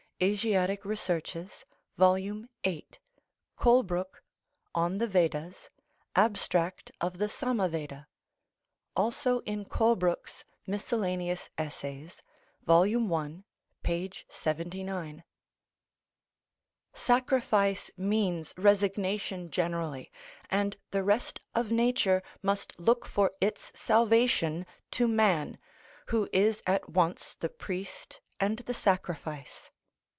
(Asiatic Researches, vol. viii.; Colebrooke, On the Vedas, Abstract of the Sama Veda; also in Colebrooke's Miscellaneous Essays, vol. i. p. 79.) Sacrifice means resignation generally, and the rest of nature must look for its salvation to man who is at once the priest and the sacrifice.